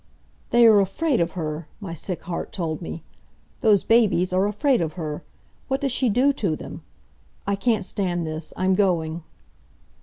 "They are afraid of her!" my sick heart told me. "Those babies are afraid of her! What does she do to them? I can't stand this. I'm going."